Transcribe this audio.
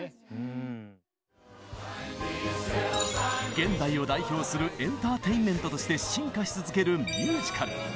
現代を代表するエンターテインメントとして進化し続けるミュージカル。